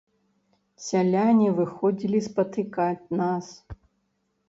Сяляне выходзілі спатыкаць нас.